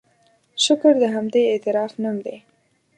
شکر د همدې اعتراف نوم دی.